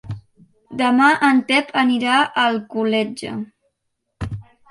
Demà en Pep anirà a Alcoletge.